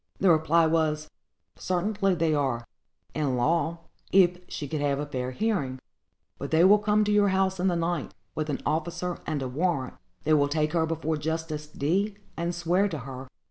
The reply was, "Certainly they are, in law, if she could have a fair hearing; but they will come to your house in the night, with an officer and a warrant; they will take her before Justice D——, and swear to her.